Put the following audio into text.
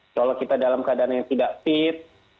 kalau kita dalam keadaan yang tidak fit